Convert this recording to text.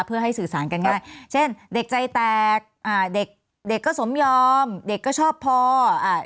เพื่อให้สื่อสารกันง่ายเช่นเด็กใจแตกอ่าเด็กเด็กก็สมยอมเด็กก็ชอบพออ่า